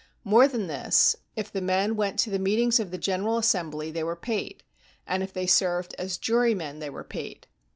More than this, if the men went to the meetings of the general assembly, they were paid; and if they served as jurymen, they were paid.